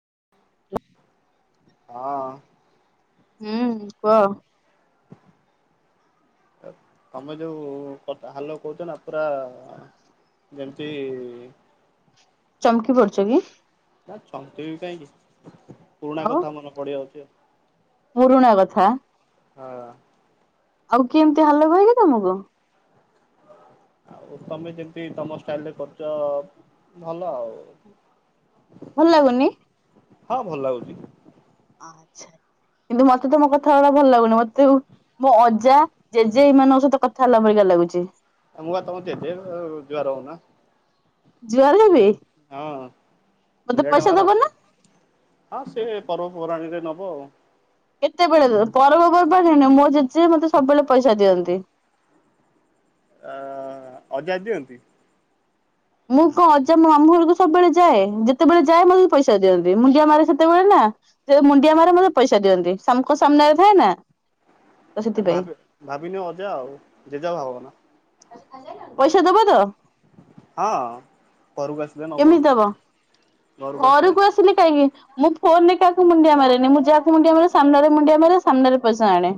ହଁ। ହୁଁ କୁହ। ତମେ ଯୋଉଥା ହାଲ କହୁଛ ନା ପୁରା। ଯେମିତି ଚମକି ପଡଛ କି? ଚମିକି ବି କାହିଁକି ପୁରୁଣା ଆଉ କଥା ମନେ ପଡିେଇଯାଉଛି ଆଉ। ପୁରୁଣା କଥା। ହଁ। ଆଉ କି ଏମତି ହା ଲୋକ ହେ କି ତମକୁ। [inaudible] ଆଉ ତମେ ଯେମତି ତମ ଷ୍ଟାଇଲ୍ ରେ କରୁଚ ଭଲ ଆଉ। ଭଲ୍ ଲାଗୁନି? ହଁ ଭଲ୍ ଲାଗୁଛି। ଆଚ୍ଛା। କିନ୍ତୁ ମତେ ତମ କଥା ଗୁଡା ଭଲ୍ ଲାଗୁନି, ମତେ ଯଉ ମୋ ଅଜା, ଜେଜେ ଏଇମାନଙ୍କ ସହିତ କଥା ହେଲା ପରିକା ଲା ଲାଗୁଚି। ମୁଁ ପା ତମ ଜେଜେ ଜୁହାର ହଉନା । ଜୁଆର ହେବି। ହଁ [inaudible] ମତେ ମୁଣ୍ଡିଆଟେ ପଇସା ମାର ଦବ ନା ହଁ ସେ ପର୍ବ ପରାଣିରେ ନବ ଆଉ। କେତେବେଳେ ଦବ ପରବ ପର୍ବାଣି ହେନେ ମୋ ଜେଜେ ମତେ ସବୁବେଳେ ପଇସା ଦିଅନ୍ତି। [inaudible] ଆ ଅଜା ଦିଅନ୍ତି? ମୁଁ କଁ ଅଜା ମୋ ମାମୁଁ ଘରକୁ ସବୁବେଳେ ଯାଏ, ଯେତେବେଳେ ଯାଏ ମୋତେ ପଇସା ଦିଅନ୍ତି, ମୁଣ୍ଡିଆ ମାରେ ସେତେବେଳେ ନା । ହାଁ ଜଉ ମୁଣ୍ଡିଆ ମାରେ ମତେ ପଇସା ଦିଅନ୍ତି ସମକୁ ସାମ୍ନାରେ ଥାଏ ନା। ତ ସେଥିପାଇଁ ଭାବିବ୍ ଭାବିନିଅ ଅଜା ଆଉ ଜେଜ ଆଉ ଭାବନା। ପଇସା ଦବ ତ? ହଁ। ଘରକୁ ଆସିଲେ ନବ କେମିତି ଦବ ଘରକୁ ଆସିଲେ କାହିଁକି? ମୁଁ ଫୋନରେ କାହାକୁ ମୁଣ୍ଡିଆ ମାରେନି ମୁଁ ଯାହାକୁ ମୁଣ୍ଡିଆ ମାରେ ସାମ୍ନାରେ ମୁଣ୍ଡିଆ ମାରେ ସାମ୍ନାରେ ପଇସା ଆଣେ।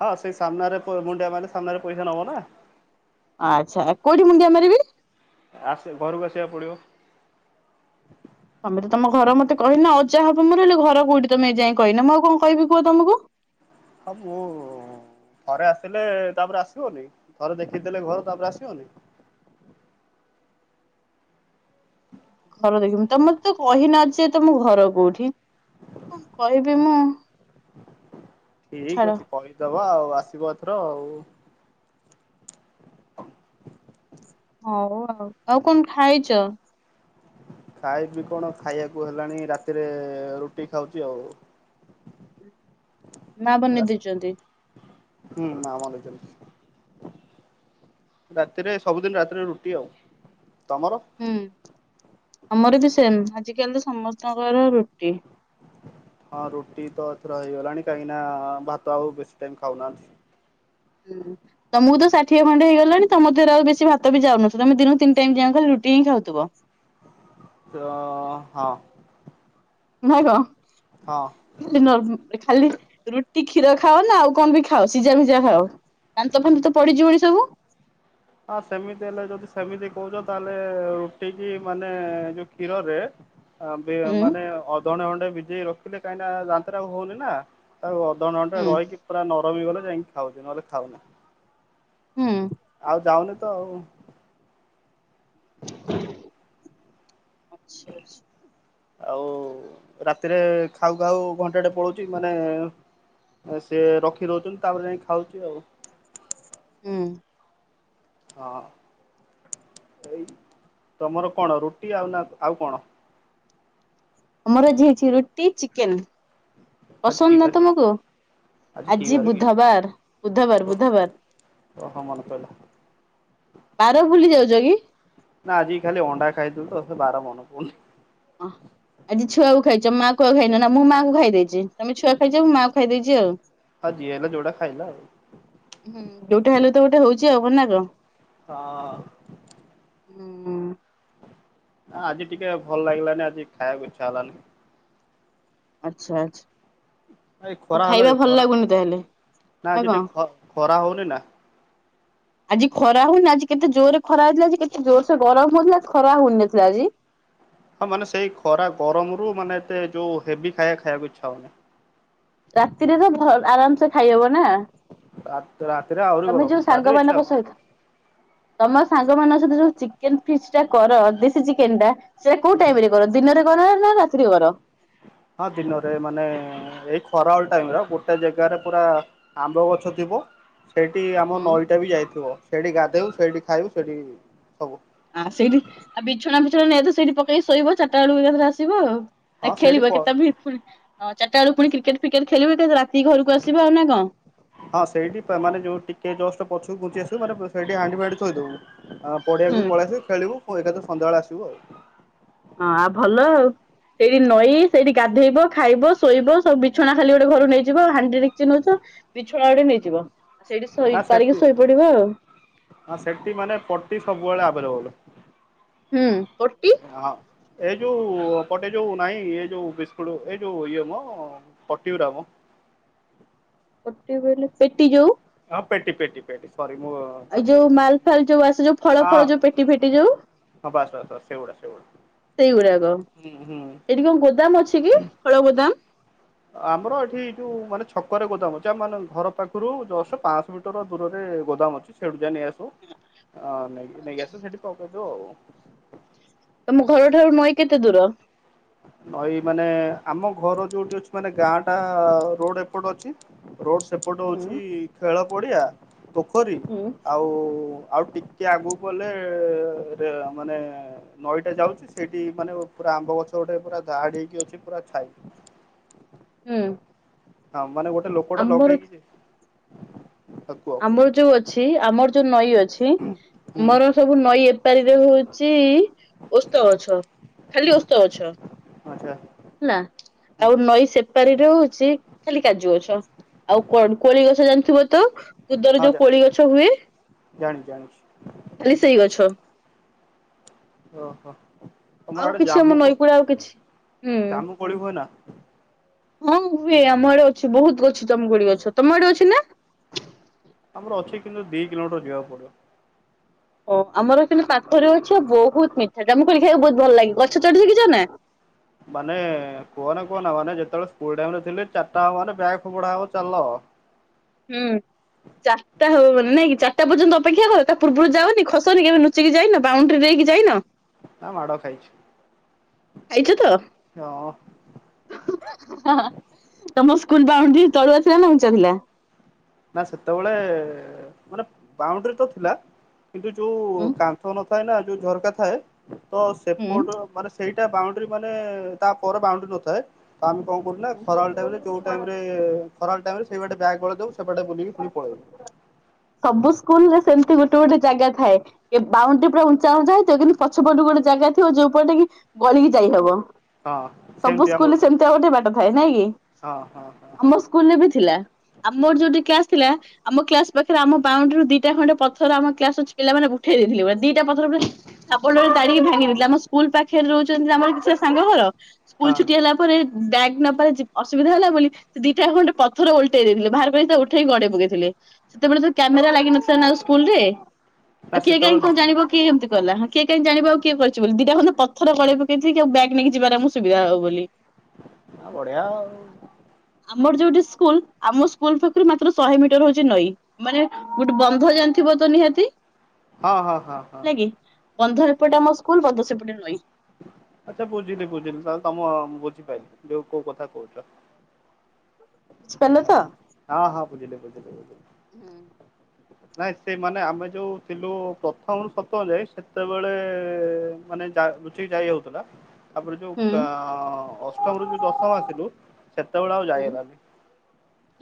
ହଁ ସେଇ ସାମ୍ନାରେ ପ ମୁଣ୍ଡିଆ ମାଇଲେ ସାମ୍ନାରେ ପଇସା ନବ ନା। ଆଚ୍ଛା କୋଉଠି ମୁଣ୍ଡିଆ ମାରିବି? ଆସ୍ ଘରକୁ ଆସିବାକୁ ପଡିବ। ତମେ ତ ତମ ଘର ମତେ କହିନ ଅଜା ହବ ମୋର ହେଲେ ଘର କୋଉଠି ତମେ ଏଯାଏଁ କହିନ ମୁଁ ଆଉ କଁ କହିବି କୁହ ତମକୁ। ଆ ପୋ ଥରେ ଆସିଲେ ତାପରେ ଆସିବନି ଥରେ ଦେଖିଦେଲେ ଘର ତାପରେ ଆସିବନି । [inaudible] ଘର ଦେଖିମୁ ତମର ତ କହିନ ଯେ ତମ ଘର କଉଠି। କଣ କହିବି ମୁଁ ଛାଡ। ହଉ ଆଉ ଆସିବ ଏଥର ଆଉ । ହଉ ଆଉ ଆଉ କଣ ଖାଇଚ? ଖାଇବି କଣ ଖାଇଆକୁ ହେଲାଣି ରାତିରେ ରୁଟି ଖାଉଚି ଆଉ। ମା ବନେଇ ଦେଇଚନ୍ତି। ହୁଁ ମା ବନେଇଚନ୍ତି। ରାତିରେ ସବୁଦିନ ରାତିରେ ରୁଟି ଆଉ। ତମର? ହୁଁ [inaudible] ଆମର ବି ସେମ ଆଜିକାଲି ତ ସମସ୍ତଙ୍କର ରୁଟି। [inaudible] ହଁ ରୁଟି ତ ଏଥର ହେଇଗଲାଣି କାହିଁକି ନା ଭାତ ଆଉ ବେଶୀ ଟାଇମ ଖାଉନାହାନ୍ତି । ହୁଁ। ତମକୁ ତ ଷାଠିଏ ଖଣ୍ଡେ ହେଇଗଲାଣି ତମ ଦିଅରେ ଆଉ ବେଶୀ ଭାତ ବି ଯାଉନଥିବ ତମେ ଦିନକୁ ତିନି ଟାଇ ଯାଁକ ରୁଟି ହିଁ ଖାଉଥିବ। [inaudible] ର ହଁ। [unintelligible] ହଁ। ଖାଲି ନ ଖାଲି ରୁଟି କ୍ଷୀର ଖାଅ ନା ଆଉ କଁ ବି ଖାଅ ସିଝାମିଝା ଖାଅ। ଦାନ୍ତ ଫାନ୍ତ ତ ପଡ଼ିଯିବନି ସବୁ? ହଁ ସେମିତି ହେଲେ ଯଦି ସେମିତି କହୁଚ ତାହେଲେ ରୁଟିକି ମାନେ ଯଉ କ୍ଷୀରରେ ବିଅ ହୁଁ ମାନେ ଅଧଘଣ୍ଟେ ଘଣ୍ଟେ ବିଜେଇ ରଖିଲେ କାହିଁକି ନା ଦାନ୍ତରେ ଆଉ ହଉନି ନା। ତାକୁ ଅଧଘ‌‍ଣ୍ଟେ ଘଣ୍ଟେ ହୁଁ ରହିକି ପୁରା ନରମ ହେଇଗଲେ ଯାଇକି ଖାଉଚୁ ନହେଲେ ଖାଉନି। ହୁଁ। ଆଉ ଯାଉନି ତ ଆଉ । [unintelligible] ଅଛି ଅଛି। ଆଉ ରାତିରେ ଖାଉ ଖାଉ ଘଣ୍ଟାଟେ ପଳଉଛି ମାନେ ସେ ରଖି ଦଉଛନ୍ତି ତାପରେ ଯାଇ ଖାଉଛି ଆଉ ହୁଁ ହଁ। ଏଇ ତମର କଣ ରୁଟି ଆଉ ନା ଆଉ କଣ? ଆମର ଆଜି ହେଇଛି ରୁଟି ଚିକେନ ଆଜି ପସନ୍ଦ କି ନା ବାରେ ତମକୁ? କି ଆଜି ବାର କି ବୁଧବାର୍ ବୁଧବାର୍ ବୁଧବାର୍। ଓହୋ ମନେ ପଇଲା ବାର ଭୂଲି ଯାଉଛ କି? ନା ଆଜି ଖାଲି ଅଣ୍ଡା ଖାଇଛୁ ତ ସେ ବାର ମନେ ପଡୁନି। ହ ଆଜି ଛୁଆକୁ ଖାଇଛ ମା କୁ ଆଉ ଖାଇନ ନା ମୁଁ ମା କୁ ଖାଇଦେଇଛି। ତମେ ଛୁଆ ଖାଇଛ ମୁଁ ମା କୁ ଖାଇଦେଇଛି ଆଉ। ଆଉ ଯିଏ ହେଲା ଯୋଉଟା ଖାଇଲା ଆଉ। ହୁଁ ଯୋଉଟା ହେଲେ ତ ଗୋଟେ ହଉଛି ଆଉ କ ନା କଣ? ହଁ ହୁଁ ଉଁ ଆଜି ଟିକେ ଭଲ ଲାଗିଲାନି ଆଜି ଖାଇବାକୁ ଇଛା ହେଲାନି। ଆଚ୍ଛା ଆଚ୍ଛା। ଏ ଆଉ ଖରା ଖାଇବା ହେଲାଣି ଭଲ ଖରା ଲାଗୁନି ତାହେଲେ ନା ନା ଆଜି କଣ? ଟିକେ ଖ ଖରା ହଉନି ନା। [inaudible] ଆଜି ଖରା ହଉନି ଆଜି କେତେ ଜୋରରେ ଖରା ହେଇଥିଲା ଆଜି କେତେ ଜୋର ସେ ଗରମ ହଉଥିଲା ଆ ଖରା ହଉନଥିଲା ଆଜି। ହଁ ମାନେ ସେଇ ଖରା ଗରମ ରୁ ମାନେ ଏତେ ଯୋଉ ହେଭି ଖାଇବା ଖାଇବାକୁ ଇଚ୍ଛା ହଉନି। ରାତିରେ ବି ଭ ଆରାମସେ ଖାଇହବ ନା। ରାତ ରାତିରେ ଆହୁରି ତମେ ଗରମ ଯୋଉ ସାଙ୍ଗ ରାତିରେ ଇଚ୍ଛା ମାନଙ୍କ ହଉନି। ସହିତ। ତମ ସା ଯୋଉ ମାନଙ୍କ ସହିତ ଯୋଉ ଯୋଉ ଚିକେନ ଫିସ୍ ଟା କର ଦେଶୀ ଚିକେନ ଟା ସେଇଟା କୋଉ ଟାଇମ ରେ କର ଦିନରେ କର ନା ରା ଶ୍ରୀ ବର ହଁ ଦିନରେ ମାନେ ଏଇ ଖରାଳ ଟାଇମ ର ଗୋଟେ ଜାଗାରେ ପୁରା ଆମ୍ବ ଗଛ ଥିବ ସେଇଠି ଆମ ହୁଁ ନଈଟା ବି ଯାଇଥିବ ସେଇଠି ଗାଧଉ ସେଇଠି ଖାଇବୁ ସେଇଠି ସବୁ ଆ ସେଇଠି ଆଉ ବିଛଣା ବିଛଣା ନେଇ ତ ସେଇଠି ପକେଇକି ଶୋଇବ ଚାରିଟା ବେଳକୁ ଏକାଥରେ ଆସିବ ଆଉ। ନା ହଁ ସେଇଠି ଖେଳିବ ପ କେତେ ବି ଫୁଲ୍ ଚାରିଟା ବେଳକୁ ପୁଣି କ୍ରିକେଟ ଫ୍ରିକେଟ ଖେଳିବ ଏକା ରା ହଁ ସେଇଠି ମାନେ ଯୋଉ ଟିକେ ଜଷ୍ଟ ପଛକୁ ଘୁଞ୍ଚି ଯୋଉ ମାନେ ସେଠି ହାଣ୍ଡି ଫାଣ୍ଡି ଥୋଇଦେବୁ ଆଉ ହୁଁ। ପଡିଆକୁ ପଳେଇ ଆସି ଖେଳିବୁ। ଫୁଣି ଏକାଥରେ ସନ୍ଧ୍ୟାବେଳେ ଆସିବୁ ଆଉ। ହଁ ଆଉ ଭଲ ଆଉ। ସେଇଠି ନଈ ସେଇଠି ଗାଧେଇବ ଖାଇବ ଶୋଇବ ସବୁ ବିଛଣା ଖାଲି ଗୋଟେ ଘରୁ ନେଇଯିବ ହାଣ୍ଡି ଡେ଼କଚି ନଉଛ। ବିଛଣା ଗୋଟେ ନେଇଯିବ। ସେଇଠି ଶୋଇ ନା ପାରିକି ସେଠି ଶୋଇପଡିବ ଆଉ ହଁ ସେଠି ମାନେ ପଟି ସବୁବେଳେ ଆଭେଲେବୁଲ। ହୁଁ ପଟି ହଁ। ଏଇ ଯୋଉ ପଟେ ଯୋଉ ନାହିଁ ଏ ଯୋଉ ବିସ୍କୁଟ ଏଇ ଯୋଉ ଇଏ ମ ପଟିି ଗୁରା ମ ଗୋଟେ ବେଲେ ପେଟି ଯଉ ହଁ ପେଟି ପେଟି ପେଟି ସରି ମୁଁ ଏଇ ତାକୁ ଯୋଉ ମାଲ ଫାଲ ଯୋଉ ଆସେ ଯୋଉ ଫଳ ହଁ ଫଳ ଯୋଉ ପେଟି ଫେଟି ଯୋଉ? ହଁ ବାସ୍ ବାସ୍ ବାସ୍ ସେଗୁଡା ସେଗୁଡା ସେଇଗୁଡାକ ହୁଁ ହୁଁ। ଏଇଠି କଣ ଗୋଦାମ ଅଛି କି ଫଳ ଗୋଦାମ? ଆମର ଏଠି ଯୋଉ ମାନେ ଛକରେ ଗୋଦାମ ଯେ ମାନେ ଘର ପାଖରୁ ଜଷ୍ଟ ପାଞ୍ଚ ମିଟର ଦୂରରେ ଏ ଗୋଦାମ ଅଛି ସେଠୁ ଯା ନେଇ ଆସିବୁ ଆଁ ନେଇକି ନେଇ ଆସୁ ସେଠି ପାକେଇ ଦେବୁ ଆଉ। ତମ ଘରଠାରୁ ନଈ କେତେ ଦୂର? ନଈ ମାନେ ଆମ ଘର ଯୋଉଠି ଅଛି ମାନେ ଗାଁ ଟା ରୋଡ ଏପଟ ଅଛି ରୋଡ଼ ସେପଟ ହୁଁ ହେଉଛି ଖେଳ ପଡ଼ିଆ ପୋଖରୀ ହୁଁ ଆଉ ଆଉ ଟିକେ ଆଗକୁ ଗଲେ ରେ ମାନେ ନଈଟା ଯାଉଛି। ସେଇଠି ମାନେ ପୁରା ଆମ୍ବ ଗଛ ତ ଗୋଟେ ପୁରା ଧାଡି ହେଇକି ଅଛି ପୁରା ଛାଇ ହୁଁ। ହଁ ମାନେ ଗୋଟେ ଲୋକଟେ ଆମର ଲଗେଇକି ହଁ କୁହ କୁହ ଆମର ଯୋଉ ଅଛି ଆମର ଯୋଉ ନଈ ଅଛି ହୁଁ ତୁମର ସବୁ ନଈ ଏପାରିରେ ହଉଚି ଓସ୍ତ ଗଛ ଖାଲି ଓସ୍ତ ଗଛ। ଆଚ୍ଛା ହେଲା ଆଉ ହୁଁ। ନଈ ସେପାରୀରେ ହଉଛି ଖାଲି କାଜୁ ଗଛ ଆଉ ବରକୋଳି ଗଛ ଜାଣିଥିବ। ତ କୁଦରେ ହଁ ଯେଉଁ ଜା କୋଳି ଗଛ ହୁଏ। ଜାଣିଛି ଜାଣିଛି ଖାଲି ସେଇ ଗଛ ଓହୋ ତମର ଆଉ ଆଡେ କିଛି ଆମ ଜାମୁ ନଈକୂଳେ ଆଉ କିଛି ହୁଁ। କୋଳି ଜାମୁକୋଳି ହୁଏ ନା? ହଁ ହୁଏ ଆମ ଆଡେ ଅଛି ବହୁତ ଗଛ ଜାମୁକୋଳି ଗଛ। ତମ ଆଡେ ଅଛି ନା? ଆମର ଅଛି କିନ୍ତୁ ଦି କିଲୋମିଟର ଯିବାକୁ ପଡିବ। ଓ ଆମର କିନ୍ତୁ ପାଖରେ ଅଛି। ଆଉ ବହୁତ ମିଠା ଜାମୁକୋଳି ଖାଇବାକୁ ବହୁତ ଭଲ ଲାଗେ। ଗଛ ଚଢି ଶିକିଛନା। ମାନେ କୁହନା କୁହନା ମାନେ ଯେତେବେଳେ ସ୍କୁଲ୍ ଟାଇମ୍ ରେ ଥିଲି ଚାର୍ଟା ହବ ମାନେ ବ୍ୟାଗ ଫୋପଡା ହବ ଚାଲ। ହୁଁ। ଚାର୍ଟା ହବ ମାନେ ଚାର୍ଟା ପର୍ଯ୍ୟନ୍ତ ଆପେକ୍ଷା କର ତା ପୂର୍ବରୁ ଯାଓନି। ଖସନି କେବେ ଲୁଚିକି ଯାଇନ। ବାଉଣ୍ଡରୀ ଦେଇକି କି ଯାଇନ। ନା ମାଡ ଖାଇଛି। ଖାଇଚ ତ। ଚ। ସ୍କୁଲ୍ ବାଉଣ୍ଡୁରୀ ତଳୁଆ ଥିଲା ନା ଉଁଚ୍ଚା ଥିଲା। ନା ସେତେବେଳେ ମାନେ ବାଉଣ୍ଡୁରୀ ତ ଥିଲା। କିନ୍ତୁ ଯୋଉ ହୁଁ। କାନ୍ଥ ନଥାଏ ନା ଯୋଉ ଝରକା ଥାଏ। ତ ସେପଟ ମାନେ ସେଇ ଟା ବାଉଣ୍ଡୁରୀ ମାନେ ତା ପର ବାଉଣ୍ଡୁରୀ ନଥାଏ। ତ ଆମେ କଣ କରୁ ନା ଖରାଳ ଟାଇମ୍ ରେ ଯେଉଁ ଟାଇମ୍ ରେ ଖରାଳ ଟାଇମ୍ ରେ ସେଇ ବାଟେ ବ୍ୟାଗ୍ ଗଳେଇ ଦେଉ। ଏପଟେ ବୁଲିକି ପୁଣି ପଲେଇବୁ। ସବୁ ସ୍କୁଲ୍ ରେ ସେମିତି ଗୋଟେ ଗୋଟେ ଜାଗା ଥାଏ। କି ବାଉଣ୍ଡୁରି ପୁରା ଉଁଚ୍ଚା ଉଁଚ୍ଚା ହେଇଥିବ କିନ୍ତୁ ପଛ ପଟୁ ଗୋଟେ ଗୋଟେ ଜାଗା ଥିବ ଯୋଉ ପଟେ କି ଗଳିକି ଯାଇ ହବ। ହଁ ସବୁ ସେମିତି ଆମର ସ୍କୁଲ୍ ରେ ଥିଲା ସେମିତିଆ ଗୋଟେ ବାଟ ଥାଏ ନାଇଁ କି। ହଁ ହଁ ହଁ ଆମ ସ୍କୁଲରେ ବି ଥିଲା। ଆମର ଯଦି କ୍ଲାସ୍ ଥିଲା ଆମ କ୍ଲାସ୍ ରେ ଆମ ବାଉଣ୍ଡୁରୁ ଦିଟା ଖଣ୍ଡେ ପଥର ଆମ କ୍ଲାସର ପିଲାମାନେ ଉଠେଇ ଦେଇଥିଲେ। ମାନେ ଦିଟା ପଥର ପୁରା ଶାବଳରେ ତାଡିକି ଭାଙ୍ଗିି ଦେଇଥିଲେ। ଆମ ସ୍କୁଲ୍ ପାଖରେ ରହୁଛନ୍ତି ଆମର କିଛି ସାଙ୍ଗ ଘର ସ୍କୁଲ ହଁ ଛୁଟି ହେଲା ପରେ ବ୍ୟାଗ୍ ନେବାରେ ଯେ ଅସୁବିଧା ହେଲା ବୋଲି ସେ ଦିଟା ଖଣ୍ଡେ ପଥର ଓଲଟେଇ ଦେଇଥିଲେ। ବାହାର କରି ସେ ଉଠେଇକି ଗଡେଇ ପକେଇଥିଲେ। ସେତେବେଳେ ତ କ୍ୟାମେରା ଲାଗିିନଥିଲା ନା ଆଉ ସ୍କୁଲରେ। ନା ଆଉ କିଏ ସେତେବେଳେ କାହିଁକି ନଥିଲା। ଜାଣିବ କିଏ ଏମିତି କଲା। କିଏ କାହିଁ ଜାଣିବ ଆଉ କିଏ କରିଛି ବୋଲି ଦିଟା ଖଣ୍ଡେ ପଥର ଗଳେଇ ପକେଇଚି କି ଆଉ ବ୍ୟାଗ୍ ନେଇକି ଯିବାରେ ଆମକୁ ସୁବିଧା ହବ ବୋଲି। ଆ ବଢିଆଉ। ଆମର ଯୋଉଠି ସ୍କୁଲ୍ ଆମ ସ୍କୁଲ୍ ପାଖରୁ ମାତ୍ର ଶହେ ମିଟର ହଉଛି ନଈ। ମାନେ ଗୋଟେ ବନ୍ଧ ଜାଣିଥିବ ତ ନିହାତି। ହଁ ହଁ ହଁ ହଁ। ହେଲା କି ବନ୍ଧ ଏପଟେ ଆମ ସ୍କୁଲ୍ ବନ୍ଧ ସେପଟେ ନଈ। ବୁଝିପାଇଲି ଯୋଉ କୋଉ କଥା କହୁଚ। ବୁଝିପାରିଲ ତ। ହଁ ହଁ ବୁଝିଲି ବୁଝିଲି ବୁଝିଲି। ନାଇଁ ସେ ମାନେ ଆମେ ଯୋଉ ଥିଲୁ ପ୍ରଥମ ରୁ ସତମ ଯାଏ ସେତେବେଳେ ମାନେ ସେ ଜା ଲୁଚିକି ଯାଇ ହଉଥିଲା। ତାପରେ ଯୋଉ କା ହୁଁ ଆଁ ଅଷ୍ଟମ ରୁ ଯୋଉ ଦଶମ ଆସିଲୁ ସେତେବେଳେ ଆଉ ଯାଇ ହେଲାନି।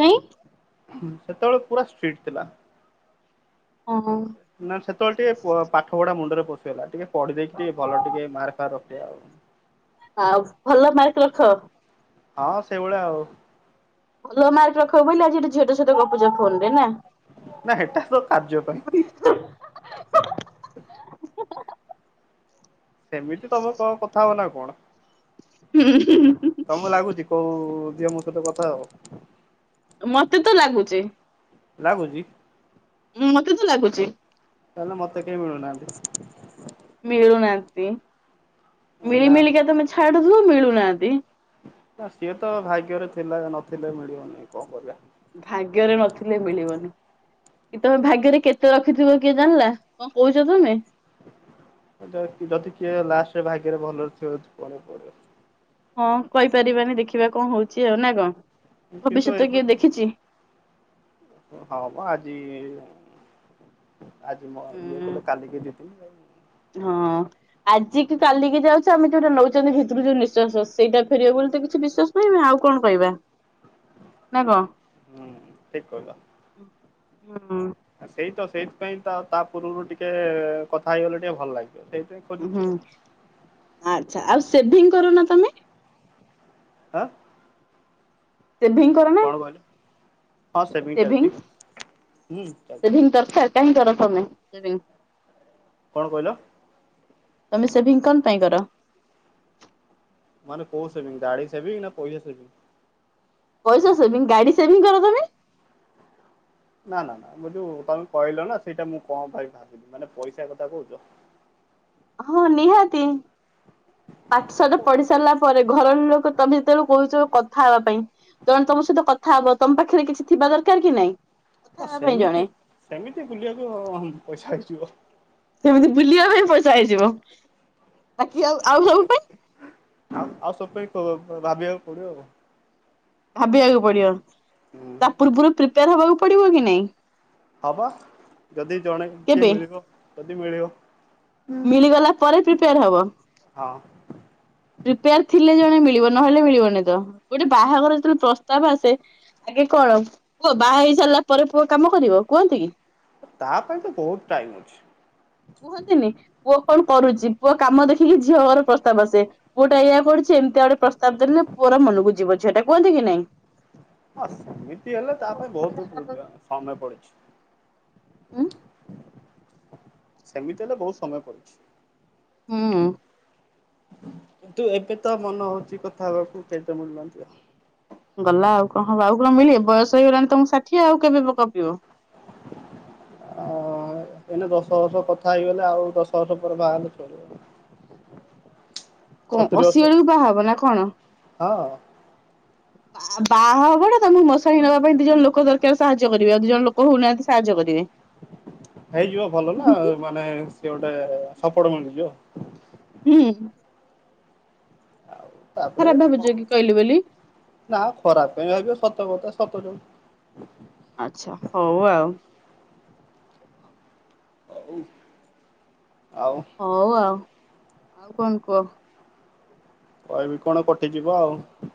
କାଇଁ। ସେତେବେଳେ ପୁରା ଷ୍ଟ୍ରିଟ୍ ଥିଲା। ହଁ ନା ସେତେବେଳେ ଟିକେ ପ ପାଠ ପଢା ମୁଣ୍ଡରେ ପସିଗଲା। ଟିକେ ପଢିଦେଇକି ଟିକେ ଭଲ ଟିକେ ମାର୍କ ଫାର୍କ ର ଯାଉ। ଆଉ ଭଲ ମାର୍କ ରଖ। ହଁ ସେଇଭଳିଆ ଆଉ। ଭଲ ମାର୍କ ରଖିବ ବୋଲି ଆଜି ଏଠି ଝିଅଟେ ସହିତ ଗପୁଛ ଫୋନ୍ ରେ ନା। ନା ହେଟା ତ କାର୍ଯ୍ୟ ପାଇଁ। [inaudible] [inaudible] [inaudible] ସେମିତି ତମେ କ କଥା ହବନା କଣ। ତମ ଲାଗୁଛି କୋଉ ଜିଅ ମୋ ସହିତ କଥା ହବ। ମତେ ତ ଲାଗୁଚି। ଲାଗୁଛି। ମତେ ତ ଲାଗୁଛି। ତାଲେ ମତେ କେହି ମିଳୁନାହାନ୍ତି। ମିଳୁନାହାନ୍ତି ନା ମିଳିମିଳି କେ ତମେ ଛାଡୁଛ, ମିଳୁନାହାନ୍ତି। ନା ସିଏ ତ ଭାଗ୍ୟରେ ଥିଲା ନଥିଲେ ମିଳିବନି କଣ କରିବା। ଭାଗ୍ୟରେ ନଥିଲେ ମିଳିବନି। କି ତମେ ଭାଗ୍ୟରେ କେତେ ରଖିଥିବ କିଏ ଜାଣିଲା କଣ କହୁଛ ତମେ? ଯଦି କିଏ ଲାଷ୍ଟରେ ଭାଗ୍ୟରେ ଭଲରେ ଥିବ ପରେ ପରେ ହଁ କହିପାରିବାନି ଦେଖିବା କଣ ହଉଛି ଆଉ ନା କଣ? କିନ୍ତୁ ଭବିଷ୍ୟତ ଏବେ କିଏ ଦେଖିଛି। ହଁ ଆଜି ଆଜି ମ ଇଏ ହୁଁ କହିଲ କାଲିକି ଯ ହଁ ଆଜିିକି କାଲିକି ଯାଉଛୁ, ଆମେ ଯୋଉଟା ନଉଛନ୍ତି ଭିତରୁ ଯୋଉ ନିଶ୍ଵାସ ସେଇଟା ଫେରକୁ କିଛି ବିଶ୍ୱାସ ନହଁ ଆଉ କଣ କହିବା। ନା କଣ ହୁଁ ଠିକ କଇଲ। ହଁ। ସେଇ ତ ସେଇଥିପାଇଁ ତ ତା ପୂର୍ବରୁ ଟିକେ କଥା ହେଇଗଲେ ଟିକେ ଭଲ ଲାଗଛି। ହୁଁ ଆଛା ଆଉ ସେଭି କରନା? ଆଁ? ଶେଭିଂ କରନା? କଣ କହିଲ ହଁ ସେମି ଚାଲିଛି ହୁଁ ଚାଲଛି। କାଇଁ କର ତମେ ସେ କଣ କହିଲ? ତମେ ସେଭିଂ କଣ ପାଇଁ କର? ମାନେ କୋଉ ସେବିଂ ଗାଡି ସେବିଙ୍ଗ ନା ପଇସା ସେଭିଂ? ପଇସା ସେଭିଂ ଗାଡି ସେଭିଂ କର ତମେ? ନା ନା ନା ମୁଁ ଯୋଉ ତମେ କହିଲ ନା ସେଇଟା, ମୁଁ କଣ ପାଇଁ ଭାବିଲି ମାନେ ପଇସା କଥା କହୁଛ? ହଁ ନିହାତି ପାଠଶଟ ପଢି ସାରିଲା ପରେ ଘର ଲୋକ ତମେ ଯେତେବେଳଳେ କହୁଛ କଥା ହେବା ପାଇଁ ତଣେ ତମ ସହିତ କଥା ହବ ତମ ପାଖରେ କିଛି ଥିବା ଦରକାର କି ନାଇଁ? ହଁ କଥା ହେବା ପାଇଁ ଜଣେ ସେମିତି ସେମିତି ବୁଲିବାକୁ ପଇସା ହେଇଯିବ। ସେମିତି ବୁଲିବା ପାଇଁ ପଇସା ହେଇଯିବ, ବାକି ଆଉ ସବୁ ପାଇଁ? ଆଉ ଆଉ ସବୁ ପାଇଁ ଭାବିବାକୁ ପଡିବ ଆଉ। ଭାବିବାକୁ ପଡିବ ହୁଁ ତା ପୂର୍ବରୁ ପ୍ରିପେୟାର ହବାକୁ ପଡିବ କି ନାଇଁ? ହଁ ବା ଯଦି ଜଣେ କିଏ କେବେ ମିଳିବ ଯଦି ମିଳିବ। ମିଳିଗଲା ପରେ ପ୍ରିପେୟାର ହବ। ହଁ ପ୍ରିପେୟାର ଥିଲେ ଜଣେ ମିଳିବ ନହେଲେ ମିଳିବନି ତ ଗୋଟେ ବାହାଘର ଯେତେବେଳେ ପ୍ରସ୍ତାବ ଆସେ ଆଗେ କଣ ପୁଅ ବାହା ହେଇ ସାରିଲା ପରେ ପୁଅ କାମ କରିବ କୁହନ୍ତି କି? ତା ପାଇଁ ତ ବହୁତ ଟାଇମ ଅଛି। କୁହନ୍ତିନି କଣ କରୁଛି ପୁଅ କାମ ଦେଖିକି ଝିଅ ଘର ପ୍ରସ୍ତାବ ଆସେ, ପୁଅ ଟା ଇଆ ପଡୁଛି ଏମିତି ଆଡେ ପ୍ରତାବ ଦେଲେ ପୁଅ ମନକୁ ଯିବ ଛୁଇଟା କୁହନ୍ତି କି ନାଇଁ? ହଁ ସେମିତି ହେଲେ ତା ପାଇଁ ବହୁତ ସମୟ ପଡିଛି। ହଁ। ସେମିତି ହେଲେ ବହୁତ ସମୟ ପଡିଛି। ହଁ, କିନ୍ତୁ ଏବେ ତ ମନେ ହଉଛି, କଥା ହେବାକୁ କେହିତ ମିଳୁନାନ୍ତି ଆଉ ଗଲା ଆଉ କଣ ହଁ ଆଉ କଣ ମିଳ ବୟସ ହେଇଗଲାଣି, ତମକୁ ଷାଠିଏ ଆଉ କେବେ ପକ ଗପିିବ, ହ। ହେଲେ ଦଶ ବର୍ଷ କଥା ହେଇଗଲେ ଆଉ ଦଶ ବର୍ଷ ପରେ ବାହା ହେ ଚଳିବ କଣ ସତୁରି ବର୍ଷ ଅଶିଆଳକୁ ବାହା ହବ ନା କଣ? ହଁ ବା ବାହା ହବଟା ତାଙ୍କୁ ମଶାଣି ନବା ପାଇଁ ଦି ଜଣ ଲୋକ ଦରକାର ସାହାଯ୍ୟ କରେ ଆଉ ଦି ଜଣ ଲୋକ ହଉନାହାନ୍ତି ସାହାଯ୍ୟ କରିବେ। ସେ ଗୋଟେ ସପୋଟ ମିଳୁଛି ଆଉ। ହୁଁ। ଆଉ ତାପରେ ଖରାପ ଭାବୁଛ କଣ କି କହିଲି ବୋଲି ନା ଖରାପ ପାଇଁ ଭାବିବ ସତକଥା ସତ ଯୋଉ ଆଛା ହଉ ଆଉ। ଆଉ ହଉ ଆଉ ଆଉ କଣ କୁହ? କହିବି କଣ କଟିଯିବ ଆଉ।